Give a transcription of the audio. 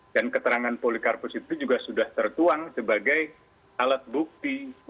dan keterangan polikarpus itu juga sudah tertuang sebagai alat bukti